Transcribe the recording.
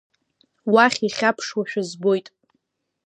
Уахь ихьаԥшуашәа збоит.